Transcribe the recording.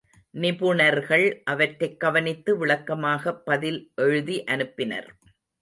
நிபுணர்கள் அவற்றைக் கவனித்து விளக்கமாகப் பதில் எழுதி அனுப்பினர்.